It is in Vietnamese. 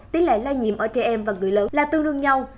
tỷ lệ lây nhiễm ở trẻ em và người lớn là tương đương nhau